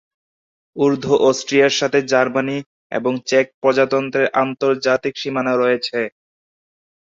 ঊর্ধ্ব অস্ট্রিয়ার সাথে জার্মানি এবং চেক প্রজাতন্ত্রের আন্তর্জাতিক সীমানা রয়েছে।